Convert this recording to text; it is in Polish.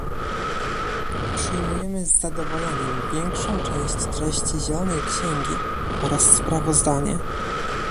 Przyjmujemy z zadowoleniem większą część treści zielonej księgi oraz sprawozdanie